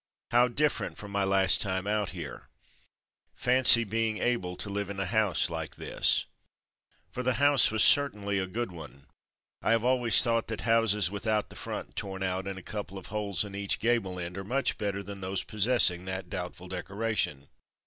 "How diflfer ent from my last time out here! Fancy being able to live in a house like this!'' A Peaceful Scene For the house was certainly a good one I always have thought that houses without the front torn out and a couple of holes in each gable end are much better than those possessing that doubtful decoration.